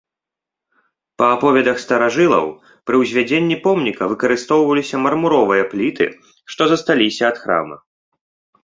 Па аповедах старажылаў, пры ўзвядзенні помніка выкарыстоўваліся мармуровыя пліты, што засталіся ад храма.